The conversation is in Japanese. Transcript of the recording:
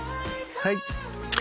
はい。